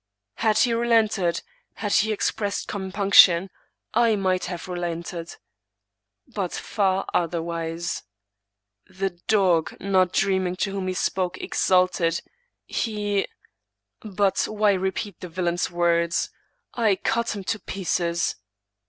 Had he relented, had he expressed compunction, / might have relented. But far otherwise: the dog, not dreaming to whom he spoke, exulted; he But why repeat the vil lain's words? I cut him to pieces.